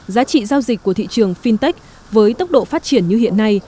giá trị giao dịch của thị trường fintech với tốc độ phát triển như hiện nay